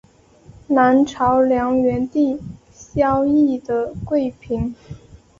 南朝梁元帝萧绎的贵嫔。